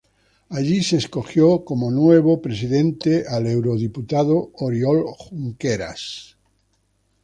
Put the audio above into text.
Allí se escogió como nuevo presidente al eurodiputado Oriol Junqueras.